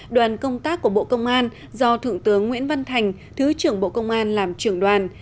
đoàn công tác của bộ công an do thượng tướng nguyễn văn thành thứ trưởng bộ công an làm trưởng đoàn